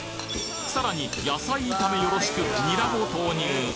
さらに野菜炒めよろしくニラも投入！